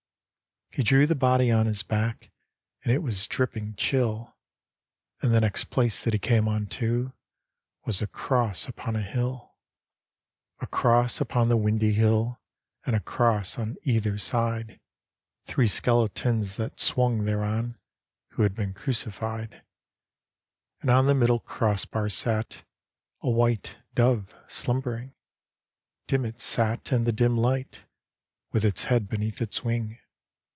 He drew the body on his back And it was drippping chill, And the next place that he came unto Was a Cross upon a hill. A Cross upCBi the windy hill, And a Cross on either side. Three skeletons that swung thereon, Who had been crucified. And on the middle cross bar sat A white Dove slumbering; Dim it sat in the dim light, With its head beneath its wing.